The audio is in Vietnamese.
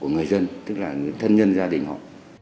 của người dân tức là thân nhân gia đình họ